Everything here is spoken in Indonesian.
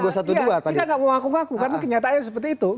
kita nggak mau ngaku ngaku karena kenyataannya seperti itu